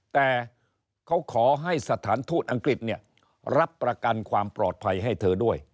แต่เขาขอให้สถานทูตอังกฤษรับประกันความปลอดภัยให้เธอด้วย